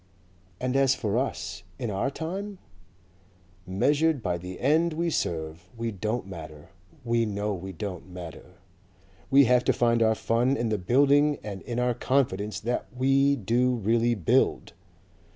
"And as for us in our time?" "Measured by the end we serve, we don't matter. You know we don't matter." "We have to find our fun in the building and in our confidence that we do really build."